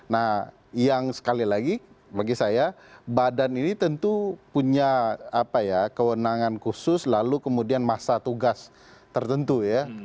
nah yang sekali lagi bagi saya badan ini tentu punya kewenangan khusus lalu kemudian masa tugas tertentu ya